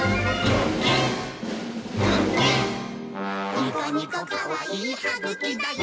ニコニコかわいいはぐきだよ！」